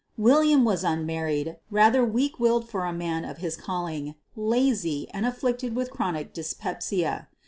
William was unmarried, rather weak willed for a man of his calling, lazy, and afflicted with chronic dyspepsia.